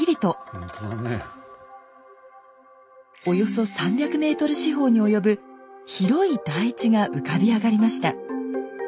およそ３００ｍ四方に及ぶ広い台地が浮かび上がりました。